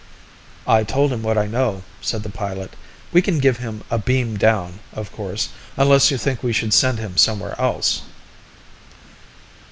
"I told him what I know," said the pilot. "We can give him a beam down, of course, unless you think we should send him somewhere else."